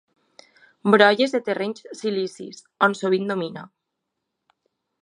Brolles de terrenys silicis on sovint domina.